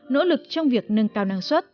nỗ lực trong việc nâng cao năng suất